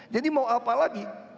jadi mau apalagi